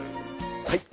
はい！